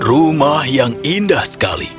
rumah yang indah sekali